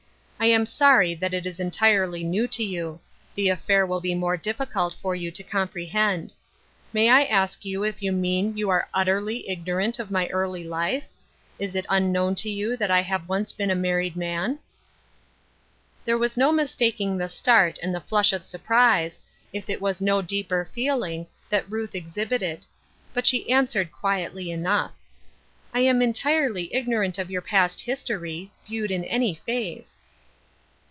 I am sorry that it is entirely new to you ; the affair will be more difficult for you tc comprehend. May I ask you if you mean you are utterly ignorant of my early life ? Is it unknown to you that I have once been a mar ried man ?" There was no mistaking the start and the flush of surprise, if it was no deeper feeling, that Ruth exhibited. But she answered quietly enough :" I am entirely ignorant of your past history, viewed in any phase."